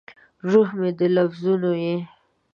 روح مې د لفظونو یې